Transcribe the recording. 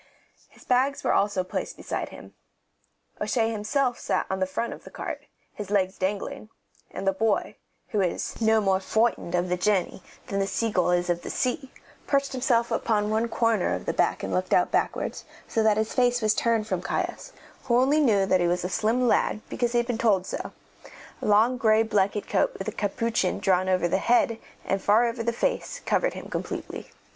His bags also were placed beside him. O'Shea himself sat on the front of the cart, his legs dangling, and the boy, who was "no more froightened of the journey than a sea gull is of the sea," perched himself upon one corner of the back and looked out backwards, so that his face was turned from Caius, who only knew that he was a slim lad because he had been told so; a long gray blanket coat with capuchin drawn over the head and far over the face covered him completely.